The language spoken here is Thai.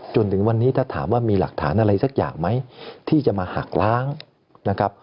จนถึงวันนี้ถ้าถามว่ามีหลักฐานอะไรสักอย่างไหมที่จะมาหักล้างนะครับ